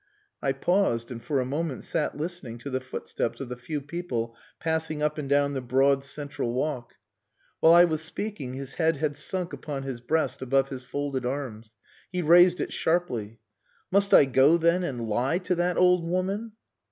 I paused, and for a moment sat listening to the footsteps of the few people passing up and down the broad central walk. While I was speaking his head had sunk upon his breast above his folded arms. He raised it sharply. "Must I go then and lie to that old woman!"